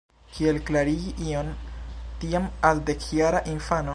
Kiel klarigi ion tian al dekjara infano?